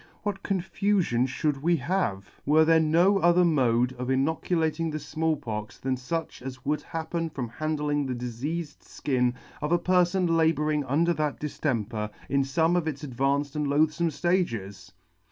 What con fufion fhould we have, were there no other mode of inoculating the Small Pox than fuch as would happen from handling the difeafed {kin of a perfon labouring under that diftemper in fome of its advanced and loathfome ftages